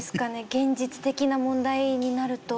現実的な問題になると。